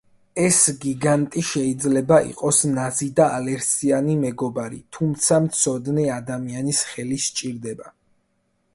ეს გიგანტი შეიძლება იყოს ნაზი და ალერსიანი მეგობარი, თუმცა მცოდნე ადამიანის ხელი სჭირდება.